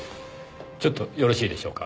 ちょっとよろしいでしょうか？